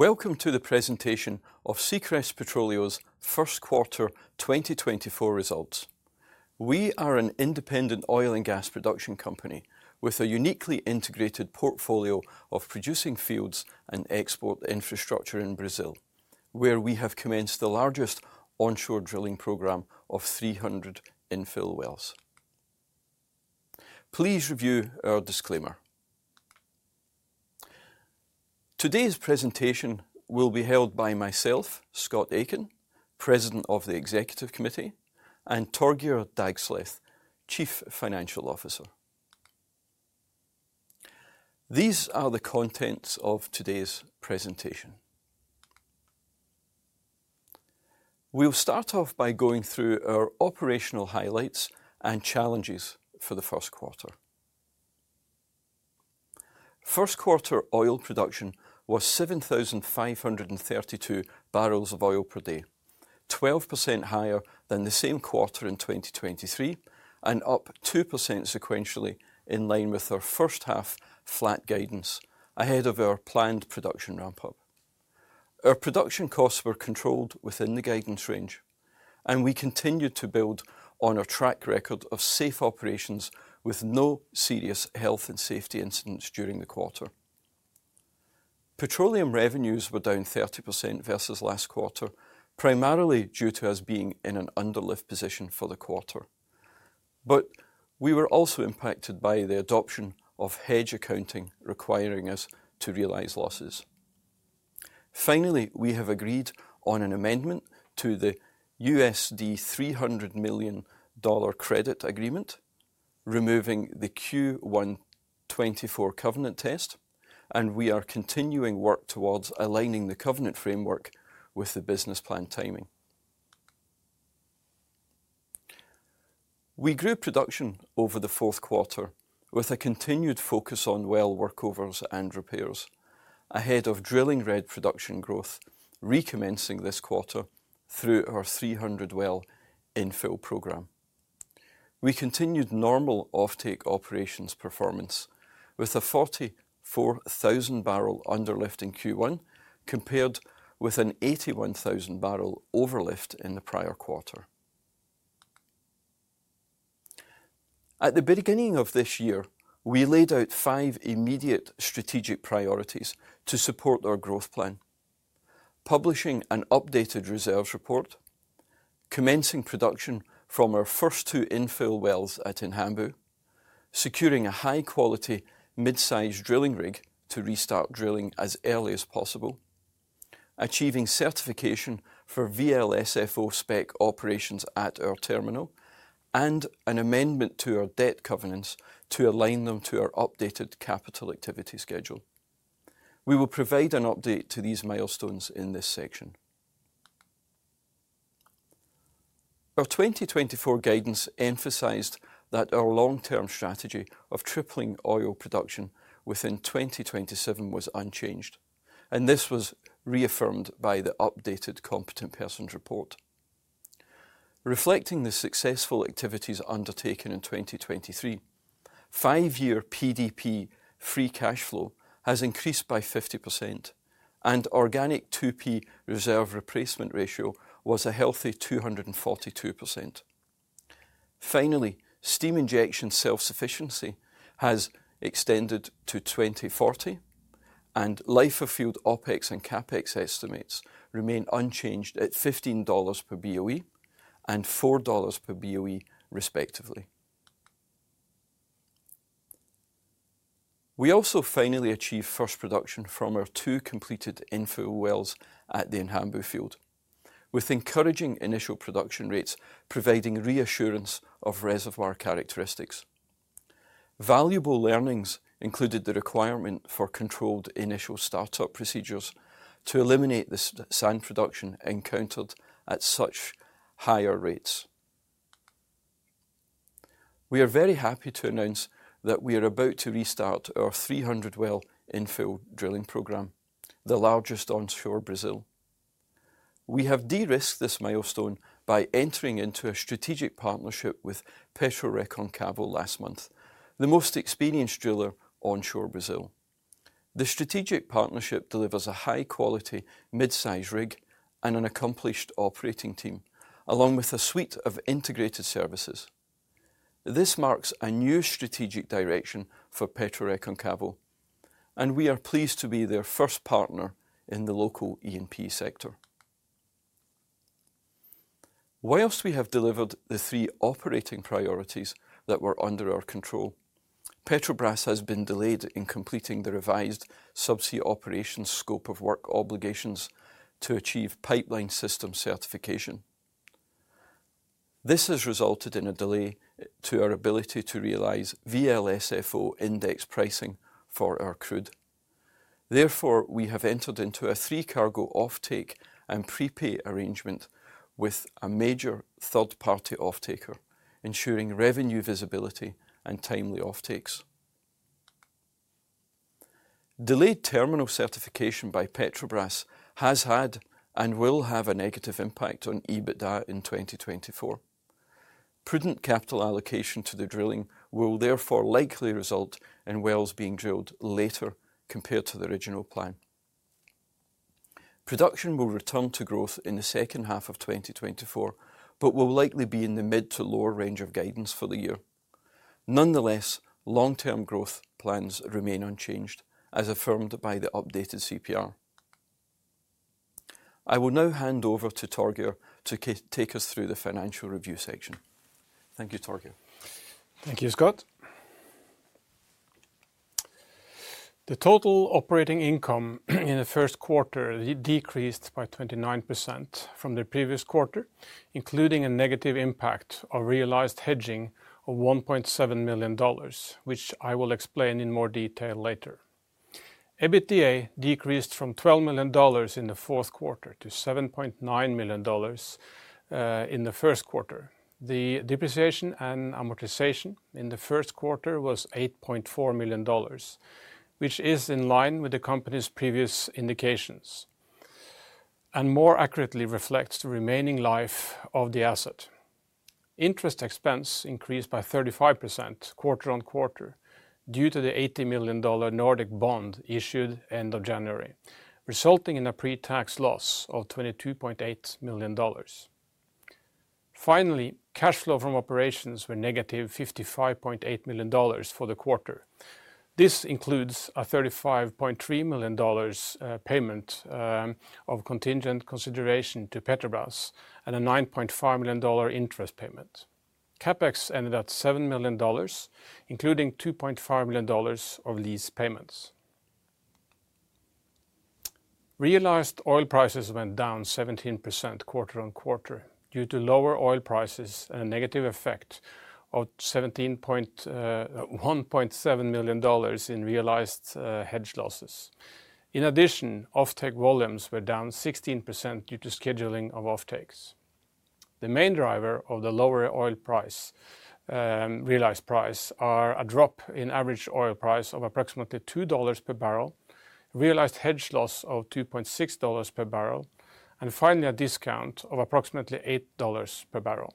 Welcome to the presentation of Seacrest Petroleum first quarter 2024 results. We are an independent oil and gas production company with a uniquely integrated portfolio of producing fields and export infrastructure in Brazil, where we have commenced the largest onshore drilling program of 300 infill wells. Please review our disclaimer. Today's presentation will be held by myself, Scott Aitken, President of the Executive Committee, and Torgeir Dagsleth, Chief Financial Officer. These are the contents of today's presentation. We'll start off by going through our operational highlights and challenges for the first quarter. First quarter oil production was 7,532 barrels of oil per day, 12% higher than the same quarter in 2023 and up 2% sequentially in line with our first half flat guidance ahead of our planned production ramp-up. Our production costs were controlled within the guidance range, and we continued to build on our track record of safe operations with no serious health and safety incidents during the quarter. Petroleum revenues were down 30% versus last quarter, primarily due to us being in an underlift position for the quarter. But we were also impacted by the adoption of hedge accounting, requiring us to realize losses. Finally, we have agreed on an amendment to the $300 million credit agreement, removing the Q1 2024 covenant test, and we are continuing work towards aligning the covenant framework with the business plan timing. We grew production over the fourth quarter with a continued focus on well workovers and repairs, ahead of drilling rig production growth, recommencing this quarter through our 300-well infill program. We continued normal offtake operations performance with a 44,000-barrel underlift in Q1, compared with an 81,000-barrel overlift in the prior quarter. At the beginning of this year, we laid out five immediate strategic priorities to support our growth plan: publishing an updated reserves report, commencing production from our first two infill wells at Inhambu, securing a high-quality, mid-size drilling rig to restart drilling as early as possible, achieving certification for VLSFO-spec operations at our terminal, and an amendment to our debt covenants to align them to our updated capital activity schedule. We will provide an update to these milestones in this section. Our 2024 guidance emphasized that our long-term strategy of tripling oil production within 2027 was unchanged, and this was reaffirmed by the updated Competent Persons Report. Reflecting the successful activities undertaken in 2023, five-year PDP free cash flow has increased by 50%, and organic 2P reserve replacement ratio was a healthy 242%. Finally, steam injection self-sufficiency has extended to 2040, and life-of-field OpEx and CapEx estimates remain unchanged at $15 per BOE and $4 per BOE, respectively. We also finally achieved first production from our two completed infill wells at the Inhambu field, with encouraging initial production rates, providing reassurance of reservoir characteristics. Valuable learnings included the requirement for controlled initial startup procedures to eliminate the s- sand production encountered at such higher rates. We are very happy to announce that we are about to restart our 300-well infill drilling program, the largest onshore Brazil. We have de-risked this milestone by entering into a strategic partnership with PetroRecôncavo last month, the most experienced driller onshore in Brazil. The strategic partnership delivers a high-quality, mid-size rig and an accomplished operating team, along with a suite of integrated services. This marks a new strategic direction for PetroRecôncavo, and we are pleased to be their first partner in the local E&P sector. While we have delivered the three operating priorities that were under our control, Petrobras has been delayed in completing the revised subsea operations scope of work obligations to achieve pipeline system certification. This has resulted in a delay to our ability to realize VLSFO index pricing for our crude. Therefore, we have entered into a three-cargo offtake and prepay arrangement with a major third-party offtaker, ensuring revenue visibility and timely offtakes. Delayed terminal certification by Petrobras has had and will have a negative impact on EBITDA in 2024. Prudent capital allocation to the drilling will therefore likely result in wells being drilled later compared to the original plan. Production will return to growth in the second half of 2024, but will likely be in the mid to lower range of guidance for the year. Nonetheless, long-term growth plans remain unchanged, as affirmed by the updated CPR. I will now hand over to Torgeir to take us through the financial review section. Thank you, Torgeir. Thank you, Scott. The total operating income in the first quarter decreased by 29% from the previous quarter, including a negative impact of realized hedging of $1.7 million, which I will explain in more detail later. EBITDA decreased from $12 million in the fourth quarter to $7.9 million in the first quarter. The depreciation and amortization in the first quarter was $8.4 million, which is in line with the company's previous indications and more accurately reflects the remaining life of the asset. Interest expense increased by 35% quarter-on-quarter due to the $80 million Nordic bond issued end of January, resulting in a pre-tax loss of $22.8 million. Finally, cash flow from operations were negative $55.8 million for the quarter. This includes a $35.3 million payment of contingent consideration to Petrobras and a $9.5 million interest payment. CapEx ended at $7 million, including $2.5 million of lease payments. Realized oil prices went down 17% quarter-on-quarter due to lower oil prices and a negative effect of $1.7 million in realized hedge losses. In addition, offtake volumes were down 16% due to scheduling of offtakes. The main driver of the lower oil price realized price are a drop in average oil price of approximately $2 per barrel, realized hedge loss of $2.6 per barrel, and finally, a discount of approximately $8 per barrel.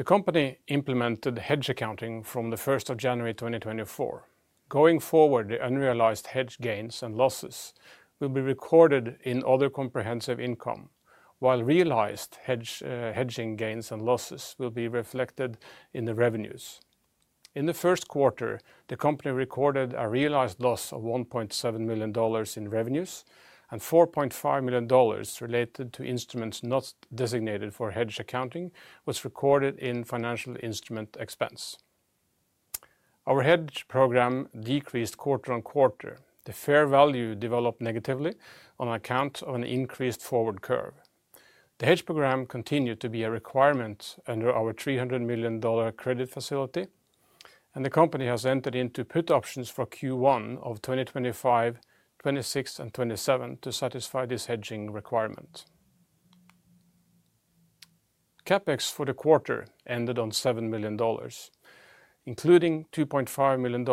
The company implemented hedge accounting from the first of January 2024. Going forward, the unrealized hedge gains and losses will be recorded in other comprehensive income, while realized hedge hedging gains and losses will be reflected in the revenues. In the first quarter, the company recorded a realized loss of $1.7 million in revenues, and $4.5 million related to instruments not designated for hedge accounting was recorded in financial instrument expense. Our hedge program decreased quarter-on-quarter. The fair value developed negatively on account of an increased forward curve. The hedge program continued to be a requirement under our $300 million credit facility, and the company has entered into put options for Q1 of 2025, 2026, and 2027 to satisfy this hedging requirement. CapEx for the quarter ended on $7 million, including $2.5 million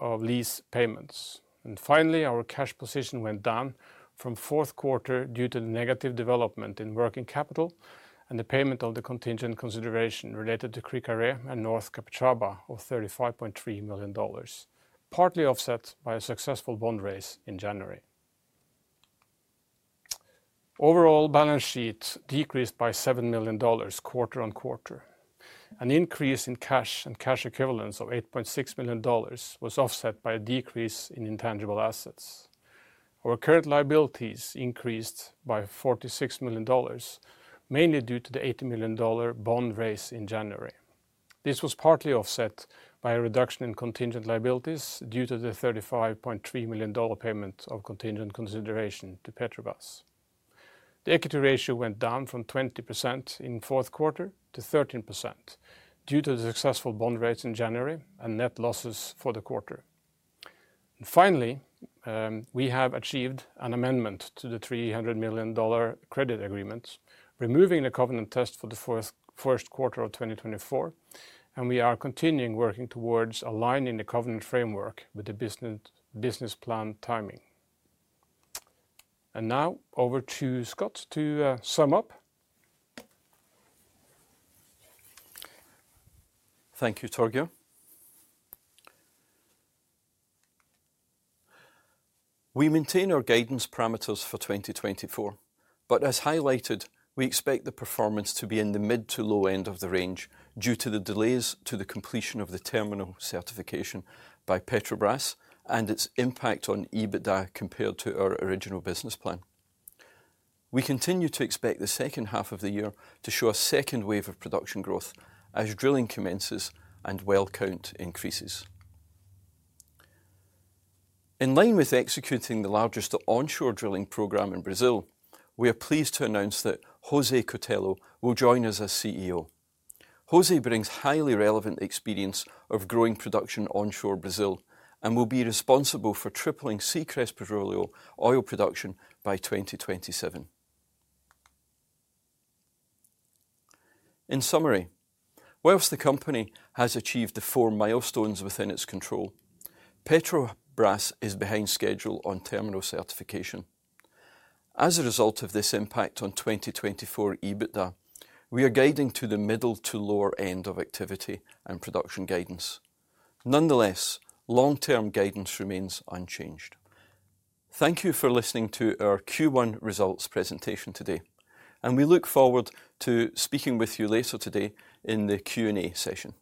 of lease payments. And finally, our cash position went down from fourth quarter due to the negative development in working capital and the payment of the contingent consideration related to Cricaré and Norte Capixaba of $35.3 million, partly offset by a successful bond raise in January. Overall, balance sheet decreased by $7 million quarter-on-quarter. An increase in cash and cash equivalents of $8.6 million was offset by a decrease in intangible assets. Our current liabilities increased by $46 million, mainly due to the $80 million bond raise in January. This was partly offset by a reduction in contingent liabilities due to the $35.3 million payment of contingent consideration to Petrobras. The equity ratio went down from 20% in fourth quarter to 13% due to the successful bond raise in January and net losses for the quarter. Finally, we have achieved an amendment to the $300 million credit agreement, removing the covenant test for the first quarter of 2024, and we are continuing working towards aligning the covenant framework with the business plan timing. Now over to Scott to sum up. Thank you, Torgeir. We maintain our guidance parameters for 2024, but as highlighted, we expect the performance to be in the mid to low end of the range due to the delays to the completion of the terminal certification by Petrobras and its impact on EBITDA compared to our original business plan. We continue to expect the second half of the year to show a second wave of production growth as drilling commences and well count increases. In line with executing the largest onshore drilling program in Brazil, we are pleased to announce that José Cotello will join us as CEO. José Cotello brings highly relevant experience of growing production onshore Brazil and will be responsible for tripling Seacrest Petroleum oil production by 2027. In summary, while the company has achieved the four milestones within its control, Petrobras is behind schedule on terminal certification. As a result of this impact on 2024 EBITDA, we are guiding to the middle to lower end of activity and production guidance. Nonetheless, long-term guidance remains unchanged. Thank you for listening to our Q1 results presentation today, and we look forward to speaking with you later today in the Q&A session.